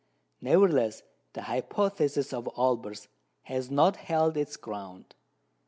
" Nevertheless the hypothesis of Olbers has not held its ground.